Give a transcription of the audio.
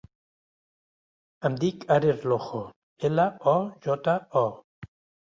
Em dic Ares Lojo: ela, o, jota, o.